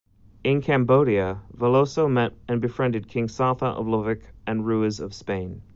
In Cambodia, Veloso met and befriended King Satha of Lovek and Ruiz of Spain.